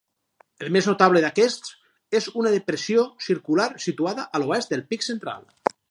El més notable d'aquests és una depressió circular situada a l'oest del pic central.